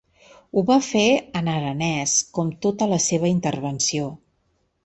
Ho va fer en aranès, com tota la seva intervenció.